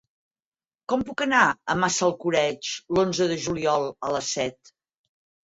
Com puc anar a Massalcoreig l'onze de juliol a les set?